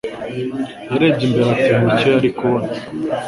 Yarebye imbere, atinya icyo yari kubona.